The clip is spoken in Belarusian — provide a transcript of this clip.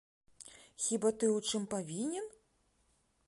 Хіба ты ў чым павінен?